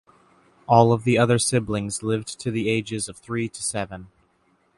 All of the other siblings lived to the ages of three to seven.